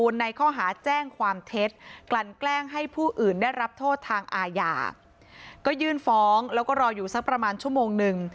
แล้วก็รออยู่สักประมาณชั่วโมงหนึ่ง